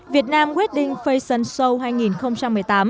việt nam westing fashion show hai nghìn một mươi tám